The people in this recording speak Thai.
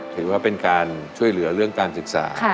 ถือว่าเป็นการช่วยเหลือเรื่องการศึกษา